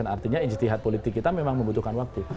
artinya istihad politik kita memang membutuhkan waktu